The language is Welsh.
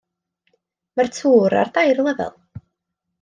Mae'r tŵr ar dair lefel.